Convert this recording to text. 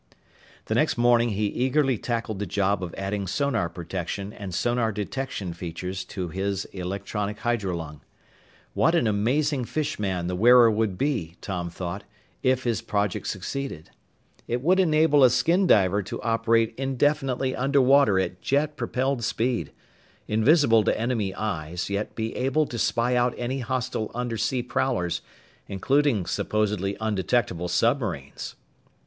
The next morning he eagerly tackled the job of adding sonar protection and sonar detection features to his electronic hydrolung. What an amazing fish man the wearer would be, Tom thought, if his project succeeded! It would enable a skin diver to operate indefinitely under water at jet propelled speed invisible to enemy "eyes," yet be able to spy out any hostile undersea prowlers, including supposedly "undetectable" submarines!